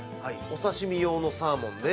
お刺身用のサーモンで。